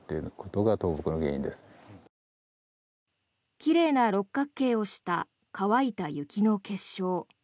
奇麗な六角形をした乾いた雪の結晶。